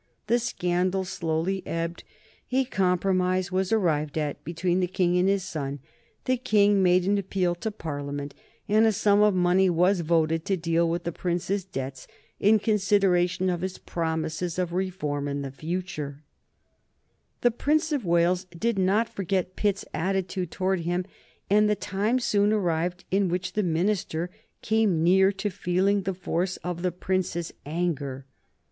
The scandal slowly ebbed; a compromise was arrived at between the King and his son; the King made an appeal to Parliament; and a sum of money was voted to deal with the Prince's debts in consideration of his promises of reform in the future. [Sidenote: 1788 Talk of a Regency] The Prince of Wales did not forget Pitt's attitude towards him, and the time soon arrived in which the minister came near to feeling the force of the Prince's anger.